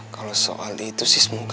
kalau soal itu sih semoga